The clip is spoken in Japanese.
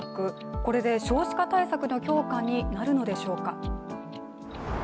これで少子化対策の強化になるのでしょうか。